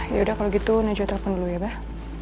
yaudah kalau gitu najwa telepon dulu ya bah